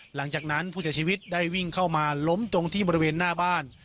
หลังจากนั้นผู้เสียชีวิตได้วิ่งเข้ามาล้มตรงที่บริเวณหน้าบ้าน